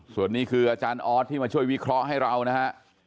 ส่วนนี้คืออาจารย์ออสที่มาช่วยวิเคราะห์ให้เรานะฮะ